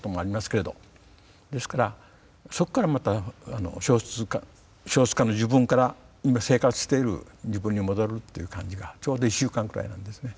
ですからそこからまた小説家の自分から今生活している自分に戻るっていう感じがちょうど１週間くらいなんですね。